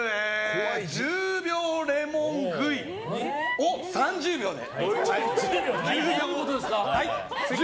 １０秒レモン喰いを３０秒で。